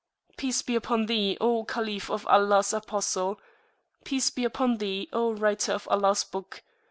36] Thee, O Caliph of Allahs Apostle! Peace be upon Thee, O Writer of Allahs Book!